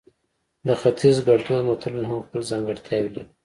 د ختیز ګړدود متلونه هم خپل ځانګړتیاوې لري